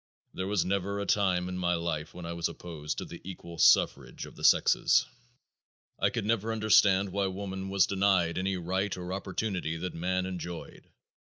There was never a time in my life when I was opposed to the equal suffrage of the sexes. I could never understand why woman was denied any right or opportunity that man enjoyed.